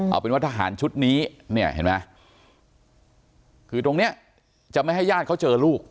เอาเป็นว่าทหารชุดนี้เนี่ยเห็นไหมคือตรงเนี้ยจะไม่ให้ญาติเขาเจอลูก